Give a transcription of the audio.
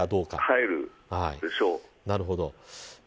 入るでしょう。